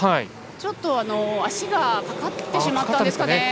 ちょっと足がかかってしまったんですかね。